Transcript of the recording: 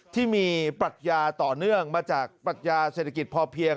ที่มีปรัชญาต่อเนื่องมาจากปรัชญาเศรษฐกิจพอเพียง